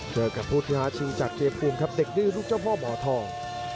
เจอกับผู้ท้าชิงจากเจภูมิครับเด็กดื้อลูกเจ้าพ่อหมอทอง